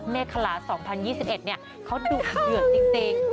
ในขณะ๒๐๒๑เนี่ยเขาดูเหยื่อจริง